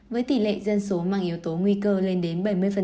với tỷ lệ dân số mang yếu tố nguy cơ lên đến bảy mươi